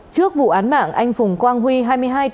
trước vụ án mạng anh phùng quang huy hai mươi hai tuổi